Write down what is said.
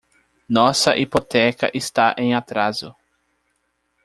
Nossa hipoteca está em atraso.